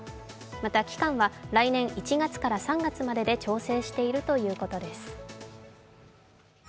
また期間は来年１月から３月までで調整しているということです。